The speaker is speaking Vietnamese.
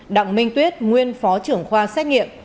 đặng minh tuyết nguyên phó trưởng khoa xét nghiệm